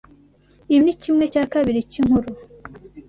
Ibi ni kimwe cya kabiri cyinkuru.